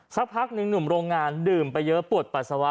สักพักหนึ่งหนุ่มโรงงานดื่มไปเยอะปวดปัสสาวะ